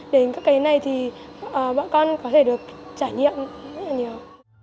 đến các cái này thì bọn con có thể được trải nghiệm rất là nhiều